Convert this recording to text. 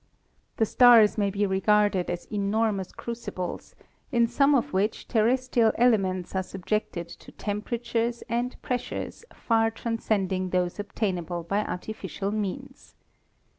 The stars may be regarded as enormous crucibles, in some of which terrestrial elements are subjected to temperatures and pressures far transcending those obtain able by artificial means.